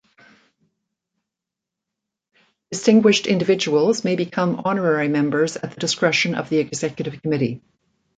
Distinguished individuals may become honorary members at the discretion of the Executive Committee.